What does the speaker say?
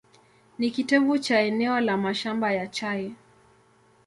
Ni kitovu cha eneo la mashamba ya chai.